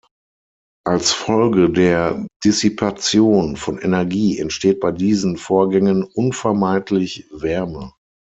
Als Folge der Dissipation von Energie entsteht bei diesen Vorgängen unvermeidlich Wärme.